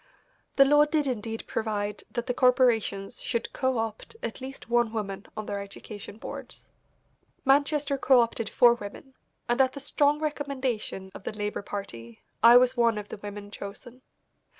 The law did indeed provide that the corporations should co opt at least one woman on their education boards. Manchester co opted four women, and at the strong recommendation of the Labour Party, I was one of the women chosen.